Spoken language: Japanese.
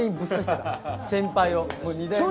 先輩を。